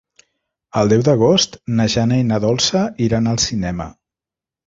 El deu d'agost na Jana i na Dolça iran al cinema.